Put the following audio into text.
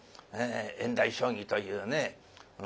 縁台将棋というね。